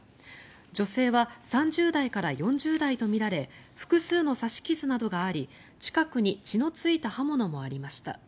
女性は３０代から４０代とみられ複数の刺し傷などがあり近くに血のついた刃物もありました。